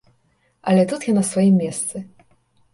Але тут я на сваім месцы.